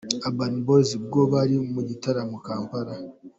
Urban Boyz ubwo bari mu gitaramo Kampala.